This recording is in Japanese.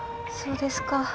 そうですか。